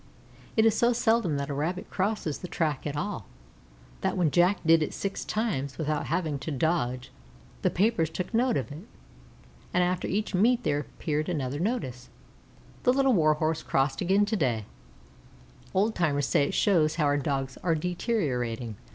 It is so seldom that a Rabbit crosses the track at all, that when Jack did it six times without having to dodge, the papers took note of it, and after each meet there appeared a notice: "The Little Warhorse crossed again today; old timers say it shows how our Dogs are deteriorating."